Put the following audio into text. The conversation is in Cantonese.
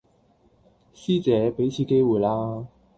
師姐,畀次機會啦